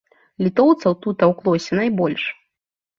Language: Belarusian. Літоўцаў тут таўклося найбольш.